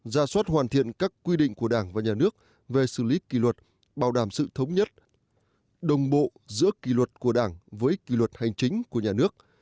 ra soát hoàn thiện các quy định của đảng và nhà nước về xử lý kỳ luật bảo đảm sự thống nhất đồng bộ giữa kỳ luật của đảng với kỷ luật hành chính của nhà nước